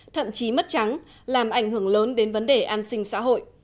thậm chí mất trắng làm ảnh hưởng lớn đến vấn đề an sinh xã hội